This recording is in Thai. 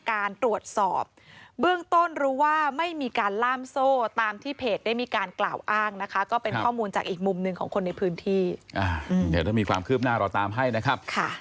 คนในพื้นที่เดี๋ยวมีความคืบหน้าตามให้นะครับค่ะ